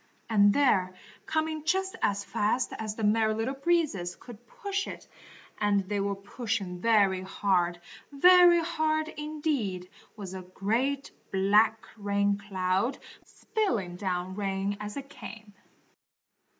And there, coming just as fast as the Merry Little Breezes could push it, and they were pushing very hard, very hard indeed, was a great, black, rain cloud, spilling down rain as it came.